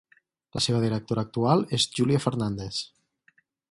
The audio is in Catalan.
La seva directora actual és Júlia Fernández.